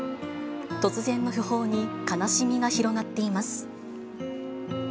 突然の訃報に、悲しみが広がっています。